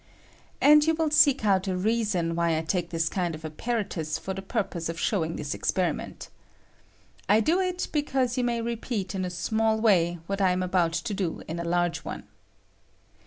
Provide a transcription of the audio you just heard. And you will seek out a reason why I take this kind of apparatus for the purpose of shewing this experiment. I do it because you may repeat in a small way what I am about to do in a large one.